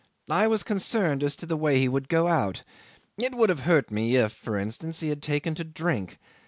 I was concerned as to the way he would go out. It would have hurt me if, for instance, he had taken to drink.